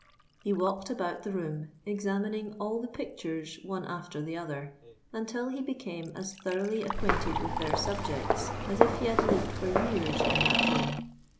He walked about the room, examining all the pictures one after the other, until he became as thoroughly acquainted with their subjects as if he had lived for years in that room.